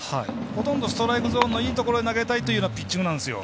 ほとんどストライクゾーンのいいところへ投げたいというようなピッチングなんですよ。